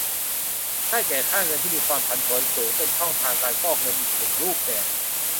ได้แก่ ค่าเงินที่มีความผันผวนสูง เป็นช่องทางการฟอกเงินอีกหนึ่งรูปแบบ